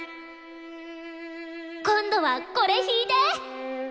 今度はこれ弾いて！